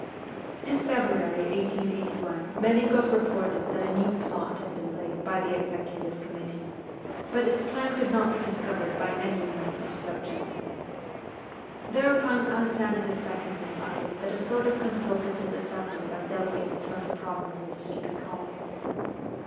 In February 1881 Melikoff reported that a new plot had been laid by the Executive Committee, but its plan could not be discovered by any amount of searching. Thereupon Alexander II. decided that a sort of consultative assembly of delegates from the provinces should be called.